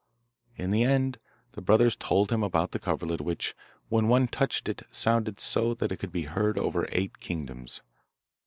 In the end the brothers told him about the coverlet which, when one touched it, sounded so that it could be heard over eight kingdoms.